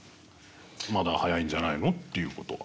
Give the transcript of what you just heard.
「まだ早いんじゃないの？」っていうことは。